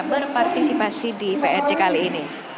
berpartisipasi di prj kali ini